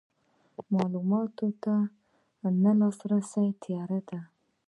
معلوماتو ته نه لاسرسی تیاره ده.